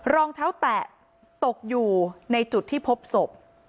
รองเท้าแตะตกอยู่ในจุดที่พบศพ